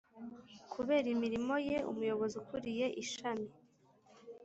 Kubera imirimo ye umuyobozi ukuriye ishami